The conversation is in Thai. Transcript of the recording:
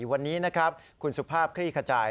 วันนี้นะครับคุณสุภาพคลี่ขจาย